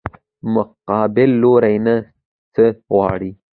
مقابل لوري نه څه غواړې؟